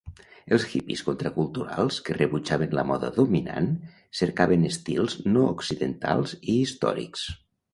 Els hippies contraculturals que rebutjaven la moda dominant cercaven estils no occidentals i històrics.